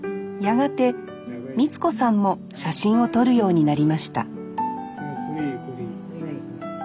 やがて光子さんも写真を撮るようになりました